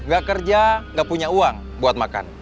gak kerja gak punya uang buat makan